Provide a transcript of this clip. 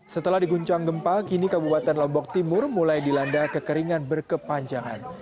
setelah diguncang gempa kini kabupaten lombok timur mulai dilanda kekeringan berkepanjangan